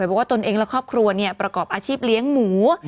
บอกว่าตนเองและครอบครัวประกอบอาชีพเลี้ยงหมู